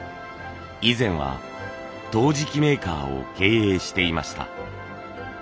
以前は陶磁器メーカーを経営していました。